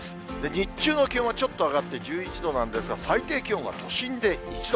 日中の気温はちょっと上がって１１度なんですが、最低気温は都心で１度。